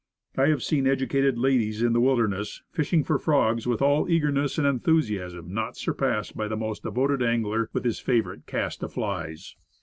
I have seen educated ladies in the wilderness, fishing for frogs with an eagerness and enthusiasm not surpassed by the most devoted angler with his favorite cast of flies.